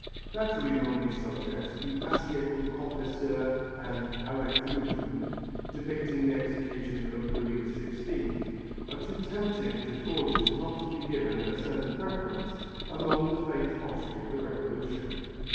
Naturally among these subjects, the assiettes au confesseur and à la guillotine, depicting the execution of Louis XVI, are too tempting to forgers not to be given a certain preference among the faked pottery of the Revolution.